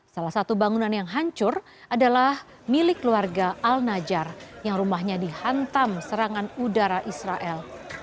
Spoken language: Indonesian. salah satu bangunan yang hancur adalah milik keluarga al najar yang rumahnya dihantam serangan udara israel